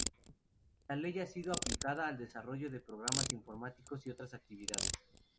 La ley ha sido aplicada al desarrollo de programas informáticos y otras actividades.